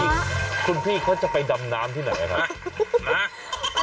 โอ้โหคุณพี่เค้าจะไปดำน้ำที่ไหนอะค่ะ